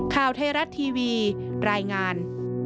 ข่าวเทราะห์ทีวีรายงาน